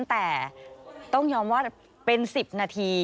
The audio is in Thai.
แต่ต้องยอมว่าเป็น๑๐นาที